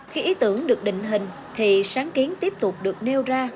khi ý tưởng được định hình thì sáng kiến tiếp tục được nêu ra